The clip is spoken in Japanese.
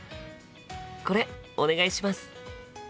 これお願いします！